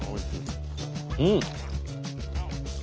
うん！